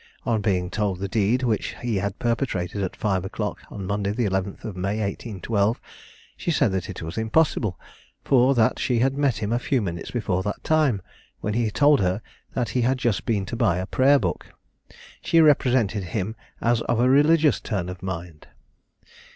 On being told the deed which he had perpetrated at five o'clock, on Monday the 11th of May, 1812, she said that was impossible; for that she had met him a few minutes before that time, when he told her, that he had just been to buy a prayer book. She represented him as of a religious turn of mind.